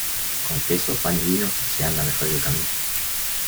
Con queso, pan y vino, se anda mejor el camino.